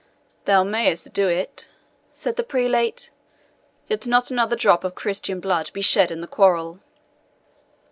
"Thou mayest do it," said the prelate, "yet not another drop of Christian blood be shed in the quarrel."